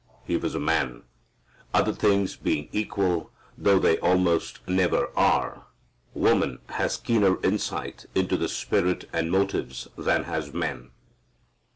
He was a man. Other things being equal (though they almost never are), woman has keener insight into the spirit and motives than has man.